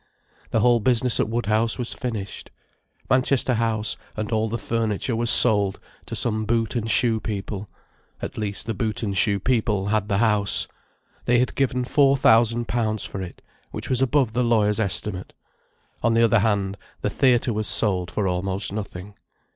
The whole business at Woodhouse was finished. Manchester House and all the furniture was sold to some boot and shoe people: at least the boot and shoe people had the house. They had given four thousand pounds for it—which was above the lawyer's estimate. On the other hand, the theatre was sold for almost nothing.